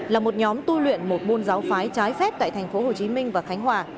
là một nhóm tu luyện một môn giáo phái trái phép tại thành phố hồ chí minh và khánh hòa